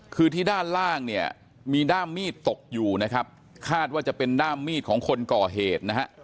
คือที่ด้านล่างเนี่ยมีด้ามมีดตกอยู่นะครับคาดว่าจะเป็นด้ามมีดของคนก่อเหตุนะฮะ